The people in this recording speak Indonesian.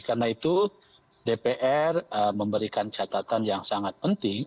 karena itu dpr memberikan catatan yang sangat penting